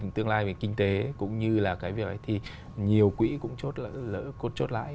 tương lai về kinh tế cũng như là cái nhiều quỹ cũng cốt chốt lãi